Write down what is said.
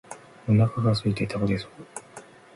お腹がすいて倒れそう